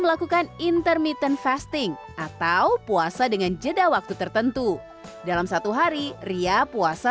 melakukan intermittent fasting atau puasa dengan jeda waktu tertentu dalam satu hari ria puasa